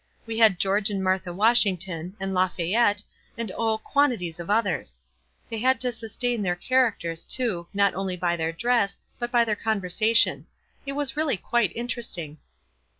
We had George and Martha Washington, and Lafayette, and, oh, quantities of others. They had to sustain their characters, too, not only by their dress, but by their con versation. It was really quite interesting."